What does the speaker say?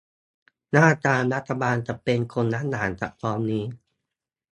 หน้าตารัฐบาลจะเป็นคนละอย่างกับตอนนี้